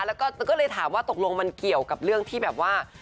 แล้วก็ก็เลยถามว่าตกลงมันเกี่ยวกับเรื่องที่แบบว่า